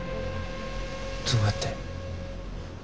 どうやって？